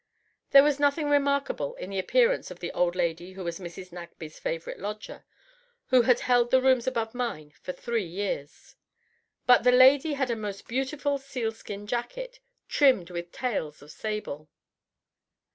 There was nothing remarkable in the appearance of the old lady who was Mrs. Nagsby's favorite lodger, who had held the rooms above mine for three years. Rut the lady had a most beautiful sealskin jacket, trimmed with tails of sable.